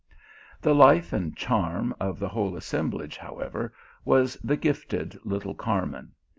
The life and charm of the whole assemblage, how ever, was the gifted little Carmen.